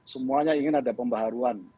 semuanya ingin ada pembaharuan